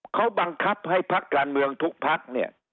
เขาบังคับให้พักการเมืองทุกพักเนี่ย